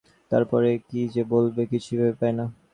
তার পরে কী যে বলবে কিছুই ভেবে পায় না।